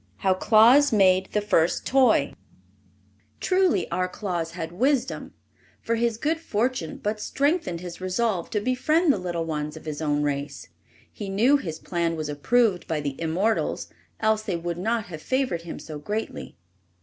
How Claus Made the First Toy Truly our Claus had wisdom, for his good fortune but strengthened his resolve to befriend the little ones of his own race. He knew his plan was approved by the immortals, else they would not have favored him so greatly.